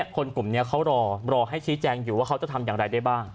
คนกลุ่มนี้เขารอให้ชี้แจงอยู่ว่าเขาจะทำอย่างไรได้บ้าง